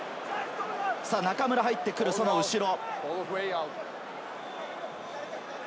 中村が入ってくる、その後ろ。